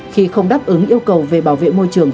khi không đáp ứng yêu cầu về bảo vệ môi trường